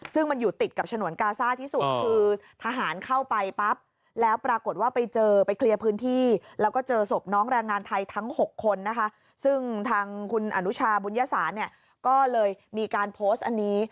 ซึ่งมันอยู่ติดกับฉนวนกาซ่าที่สุดคือทหารเข้าไปปั๊บแล้วปรากฏว่าไปเจอไปเคลียร์พื้นที่แล้วก็เจอศพน้องแรงงานไทยทั้ง๖คนนะคะซึ่งทางคุณอนุชาบุญญศาสตร์เนี่ยก็เลยมีการโพสต์อันนี้